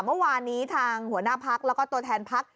เมื่อวานนี้ทางหัวหน้าพักแล้วก็ตัวแทนพัก